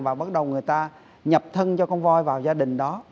và bắt đầu người ta nhập thân cho con voi vào gia đình đó